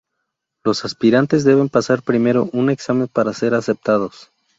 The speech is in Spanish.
Los aspirantes deben pasar primero un examen para ser aceptados.